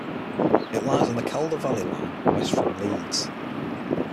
It lies on the Calder Valley line west from Leeds.